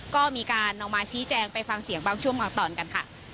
ก็มีการนำมาชี้แจงไปฟังเสียงบังชุมต่อกัน